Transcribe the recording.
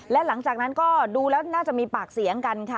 และหลังจากนั้นก็ดูแล้วน่าจะมีปากเสียงกันค่ะ